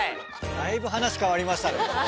だいぶ話変わりましたね